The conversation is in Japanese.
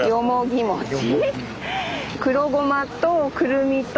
黒ごまとくるみと？